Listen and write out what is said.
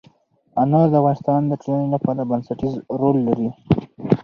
انار د افغانستان د ټولنې لپاره بنسټيز رول لري.